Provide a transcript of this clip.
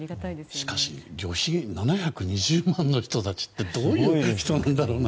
しかし旅費７２０万の人たちってどういう人なんだろうな。